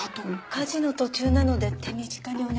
家事の途中なので手短にお願いできますか？